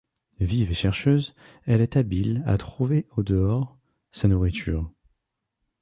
Vive et chercheuse, elle est habile à trouver au-dehors sa nourriture.